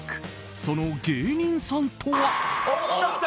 その芸人さんとは。